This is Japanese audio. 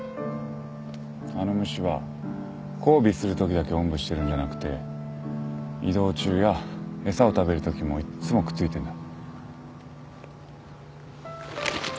あの虫は交尾するときだけおんぶしてるんじゃなくて移動中や餌を食べるときもいっつもくっついてんだ。